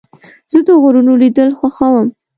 زه د غرونو لیدل خوښوم.